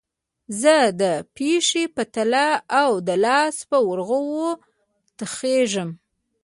زه د پښې په تله او د لاس په ورغوي تخږم